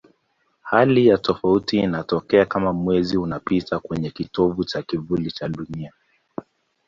Hali ya tofauti inatokea kama Mwezi unapita kwenye kitovu cha kivuli cha Dunia.